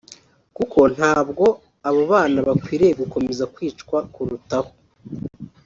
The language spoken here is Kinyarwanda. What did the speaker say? kuko ntabwo abo bana bakwiriye gukomeza kwicwa kurutaho